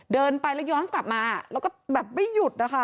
เดินไปแล้วย้อนกลับมาแล้วก็แบบไม่หยุดนะคะ